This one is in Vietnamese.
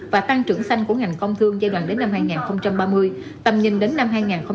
và tăng trưởng xanh của ngành công thương giai đoạn đến năm hai nghìn ba mươi tầm nhìn đến năm hai nghìn năm mươi